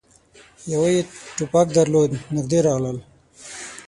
يوه يې ټوپک درلود. نږدې راغلل،